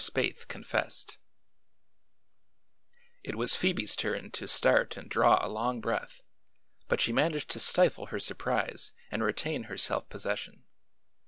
SPAYTHE CONFESSED It was Phoebe's turn to start and draw a long breath, but she managed to stifle her surprise and retain her self possession.